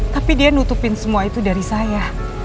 tapi dia nutupin semua itu dari saya